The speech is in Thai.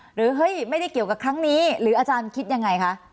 เฮ้ยไม่ได้เกี่ยวกับครั้งนี้หรืออาจารย์คิดยังไงคะ